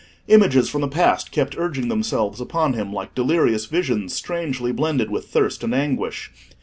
Images from the past kept urging themselves upon him like delirious visions strangely blended with thirst and anguish.